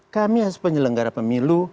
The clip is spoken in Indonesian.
kami penyelenggara pemilu